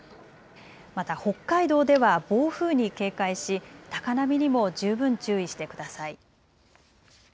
また、北海道では暴風に警戒し高波にも十分注意してください。